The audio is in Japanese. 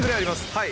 はい！